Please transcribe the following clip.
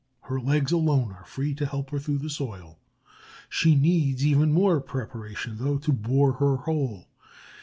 Her legs alone are free, to help her through the soil. She needs even more preparation, though, to bore her hole.